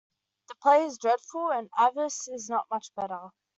The play is dreadful, and Avice is not much better.